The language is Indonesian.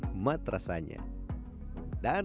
dan rumput lautnya juga sangat menarik